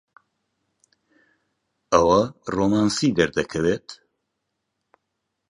ئەوە ڕۆمانسی دەردەکەوێت؟